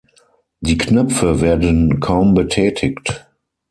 Die Knöpfe werden kaum betätigt.